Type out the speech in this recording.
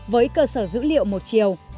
với cơ sở dữ liệu một chiều